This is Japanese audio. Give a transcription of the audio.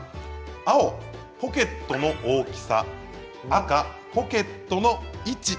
青・ポケットの大きさ赤・ポケットの位置。